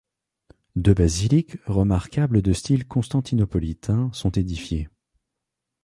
Deux basiliques remarquables de style constantinopolitain sont édifiées.